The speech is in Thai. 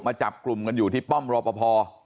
จับกลุ่มกันอยู่ที่ป้อมรอปภ